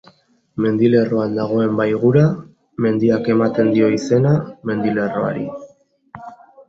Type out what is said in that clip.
Mendilerroan dagoen Baigura mendiak ematen dio izena mendilerroari.